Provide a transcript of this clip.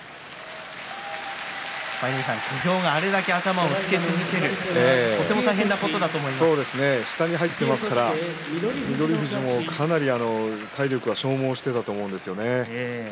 舞の海さん、小兵があれだけ頭をつけ続ける下に入っていますから翠富士もかなり体力は消耗していたと思います。